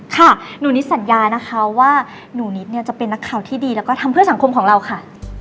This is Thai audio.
ค่ะหนูนิดสัญญานะคะว่าหนูนิดเนี่ยจะเป็นนักข่าวที่ดีแล้วก็ทำเพื่อสังคมของเราค่ะ